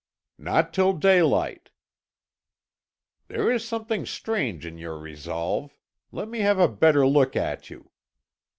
"Not till daylight." "There is something strange in your resolve. Let me have a better look at you."